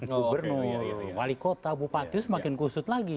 gubernur wali kota bupati semakin kusut lagi